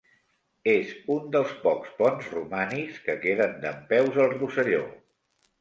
És un dels pocs ponts romànics que queden dempeus al Rosselló.